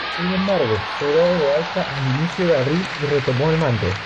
Sin embargo, fue dado de alta al inicio de abril y retomó el mando.